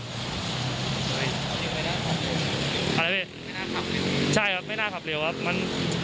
อะไรพี่ใช่ครับไม่น่าขับเร็วครับมัน